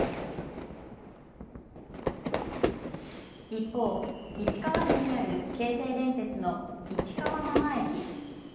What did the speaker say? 一方、市川市にある京成電鉄の市川真間駅。